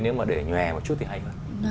nếu mà để nhòe một chút thì hay hơn